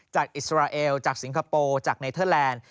อิสราเอลจากสิงคโปร์จากเนเทอร์แลนด์